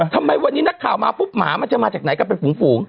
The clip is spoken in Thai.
ทำไมวันนี้นักข่าวมาปุ๊บหมามันจะมาจากไหนก็เป็นฝูง